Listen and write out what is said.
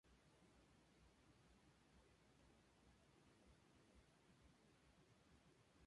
Proviene de una antigua forma de ajedrez chino.